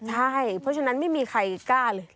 ใช่เพราะฉะนั้นไม่มีใครกล้าเลย